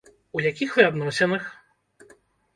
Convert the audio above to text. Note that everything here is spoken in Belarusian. У якіх вы адносінах?